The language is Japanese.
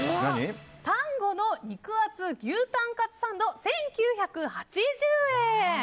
Ｔａｎ伍の肉厚牛タンカツサンド１９８０円。